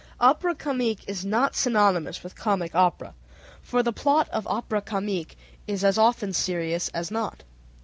Opera comique is not synonymous with comic opera, for the plot of opera comique is as often serious as not.